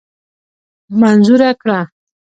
منظوره کړه.